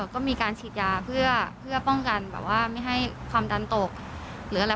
ก็มีการฉีดยาเพื่อป้องกันแบบว่าไม่ให้ความดันตกหรืออะไร